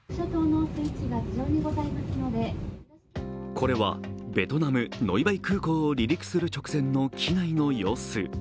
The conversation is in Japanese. これはベトナム・ノイバイ空港を離陸する直線の機内の様子。